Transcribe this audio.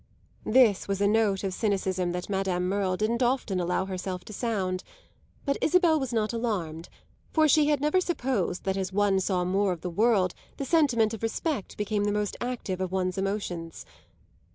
This was a note of cynicism that Madame Merle didn't often allow herself to sound; but Isabel was not alarmed, for she had never supposed that as one saw more of the world the sentiment of respect became the most active of one's emotions.